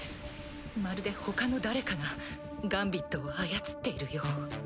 まるでほかの誰かがガンビットを操っているよう。